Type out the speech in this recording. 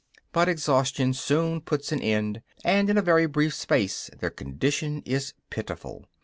But exhaustion soon puts an end; and, in a very brief space, their condition is pitiful.